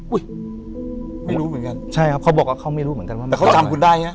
ไม่รู้เหมือนกันใช่ครับเขาบอกว่าเขาไม่รู้เหมือนกันว่าแต่เขาจำคุณได้ไง